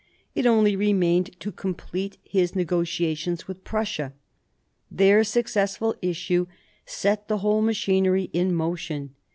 It only remained to* complete his negotiations with Prussia. Theijp successful issue set the whole machinery in motion.